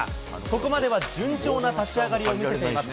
ここまでは順調な立ち上がりを見せています。